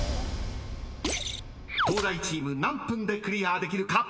［東大チーム何分でクリアできるか。